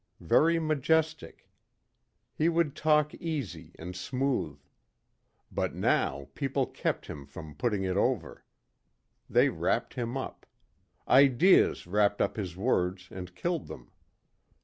Very majestic. He would talk easy and smooth. But now people kept him from putting it over. They wrapped him up. Ideas wrapped up his words and killed them.